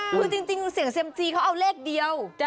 คือจริงเสียงเซียมซีเขาเอาเลขเดียว